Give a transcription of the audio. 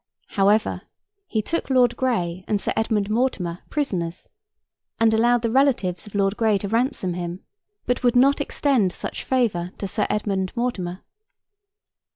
However, he took Lord Grey and Sir Edmund Mortimer, prisoners, and allowed the relatives of Lord Grey to ransom him, but would not extend such favour to Sir Edmund Mortimer.